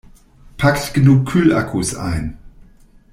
Packt genug Kühlakkus ein!